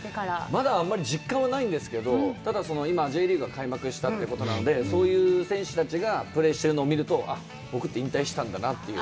まだあんまり実感はないんですけど、ただ、Ｊリーグが開幕したということなので、そういう選手たちがプレーしているのを見ると、あっ、僕って引退したんだなという。